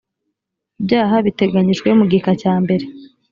ibyaha biteganyijwe mu gika cya mbere